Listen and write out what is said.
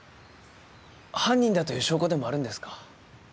犯人だという証拠でもあるんですか？